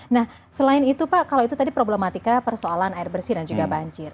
nah selain itu pak kalau itu tadi problematika persoalan air bersih dan juga banjir